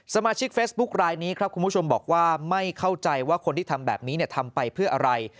สมาชิกเฟซบุ๊คลายนี้ครับคุณผู้ชมบอกว่าไม่เข้าใจว่าคนที่ทำแบบนี้ทำไปเพื่ออะไร